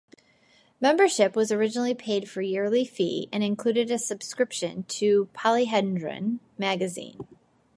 Membership was originally paid by yearly fee and included a subscription to "Polyhedron" magazine.